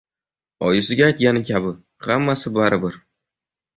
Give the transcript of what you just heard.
Oyisiga aytgani kabi, Hammasi baribir